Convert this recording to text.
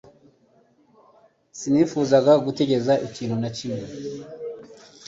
Sinifuzaga gutegereza ikintu na kimwe